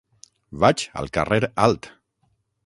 Vaig al carrer Alt.